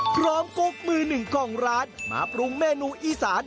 พร้อมกกมือหนึ่งข้องร้านมาปรุงเมนูอีสาน